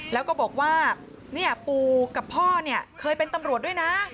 แล้วก็บอกว่าปู่กับพ่อเนี่ยเคยเป็นตำรวจด้วยนะ